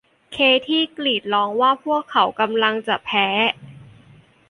เคธี่กรีดร้องว่าพวกเขากำลังจะแพ้